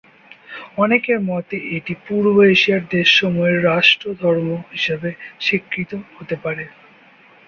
অনেকের মতে এটি পূর্ব এশিয়ার দেশসমূহের রাষ্ট্র ধর্ম হিসেবে স্বীকৃত হতে পারে।